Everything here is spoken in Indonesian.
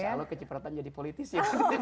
insya allah kecipratan jadi politisi